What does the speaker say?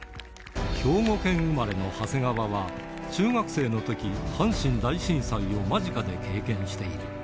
兵庫県生まれの長谷川は、中学生のとき、阪神大震災を間近で経験している。